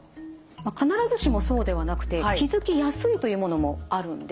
必ずしもそうではなくて気付きやすいというものもあるんです。